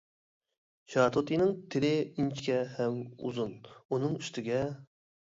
شاتۇتىنىڭ تىلى ئىنچىكە ھەم ئۇزۇن، ئۇنىڭ ئۈستىگە.